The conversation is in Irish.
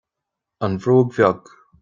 An bhróg bheag